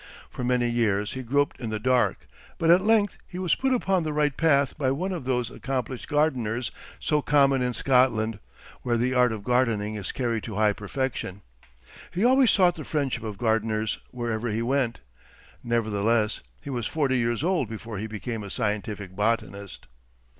For many years he groped in the dark; but at length he was put upon the right path by one of those accomplished gardeners so common in Scotland, where the art of gardening is carried to high perfection. He always sought the friendship of gardeners wherever he went. Nevertheless he was forty years old before he became a scientific botanist.